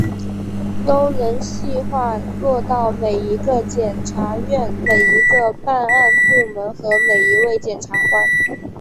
都能细化落到每一个检察院、每一个办案部门和每一位检察官